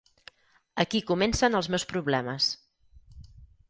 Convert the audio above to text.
Aquí comencen els meus problemes.